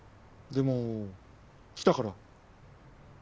でも来たから。